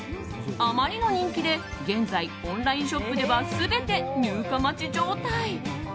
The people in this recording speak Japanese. あまりの人気で現在、オンラインショップでは全て入荷待ち状態。